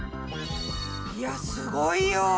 いやすごいよ。